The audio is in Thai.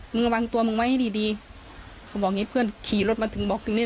มึงระวังตัวมึงไว้ให้ดีเขาบอกงี้เพื่อนขี่รถมาถึงบอคแรงด้วย